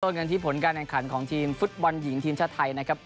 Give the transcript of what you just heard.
กันที่ผลการแข่งขันของทีมฟุตบอลหญิงทีมชาติไทยนะครับ